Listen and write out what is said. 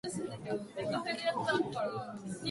到底録音できる環境ではない。